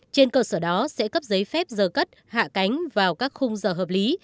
trên cơ sở đó sẽ cấp giấy phép giờ cất hạ cánh vào các khung giờ hợp lý